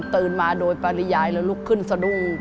มาโดยปริยายแล้วลุกขึ้นสะดุ้ง